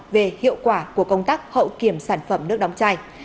về hiệu quả của công tác hậu kiểm sản phẩm nước đóng chai